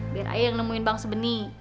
biar ayah yang nemuin bang sabeni